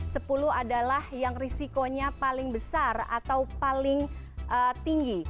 sepuluh adalah yang risikonya paling besar atau paling tinggi